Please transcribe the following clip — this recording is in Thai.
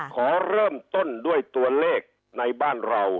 ขอเริ่มต้นด้วยตัวเลขในบ้านเรา